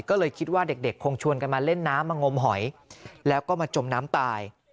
ก็เลยคิดว่าเด็กคงชวนกันมาเล่นน้ำมางมหอยแล้วก็มาจมน้ำตาย